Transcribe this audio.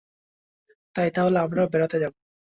তাই তাহলে আমরাও বেড়াতে যাবো।